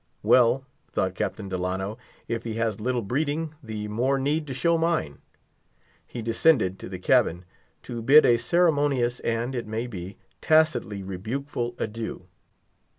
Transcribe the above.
Well, thought Captain Delano, if he has little breeding, the more need to show mine. He descended to the cabin to bid a ceremonious, and, it may be, tacitly rebukeful adieu.